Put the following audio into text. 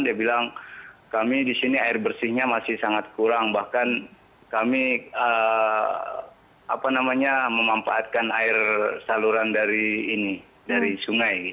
dia bilang kami di sini air bersihnya masih sangat kurang bahkan kami memanfaatkan air saluran dari ini dari sungai